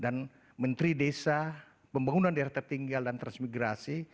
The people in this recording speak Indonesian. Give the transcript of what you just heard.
dan menteri desa pembangunan daerah tertinggal dan transmigrasi